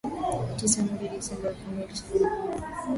Tisa mwezi Disemba elfu mbili ishirini na moja